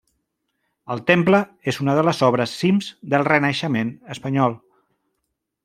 El temple és una de les obres cims del renaixement espanyol.